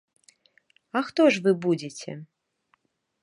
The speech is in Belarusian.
А хто ж вы будзеце?